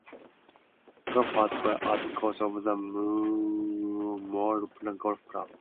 Golfers play at the course of the Mooroopna Golf Club.